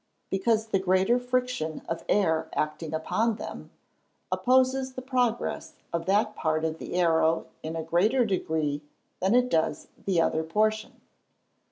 _ Because the greater friction of air acting upon them, opposes the progress of that part of the arrow in a greater degree than it does the other portion.